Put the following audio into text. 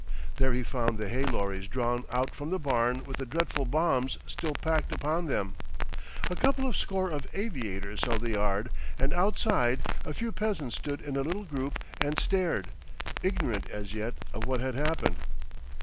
There he found the hay lorries drawn out from the barn with the dreadful bombs still packed upon them. A couple of score of aviators held the yard, and outside a few peasants stood in a little group and stared, ignorant as yet of what had happened.